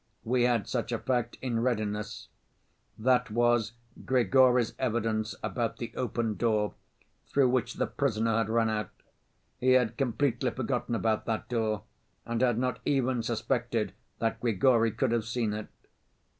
We had such a fact in readiness—that was Grigory's evidence about the open door through which the prisoner had run out. He had completely forgotten about that door and had not even suspected that Grigory could have seen it.